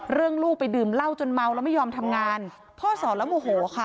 ลูกไปดื่มเหล้าจนเมาแล้วไม่ยอมทำงานพ่อสอนแล้วโมโหค่ะ